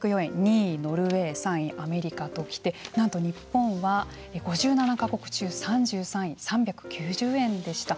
２位ノルウェー３位アメリカと来てなんと日本は５７か国中３３位３９０円でした。